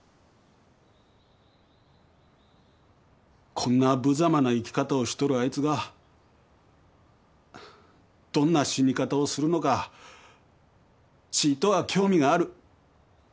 こんなぶざまな生き方をしとるあいつがどんな死に方をするのかちいとは興味がある。